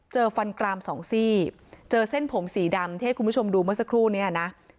ฟันกรามสองซี่เจอเส้นผมสีดำที่ให้คุณผู้ชมดูเมื่อสักครู่เนี่ยนะ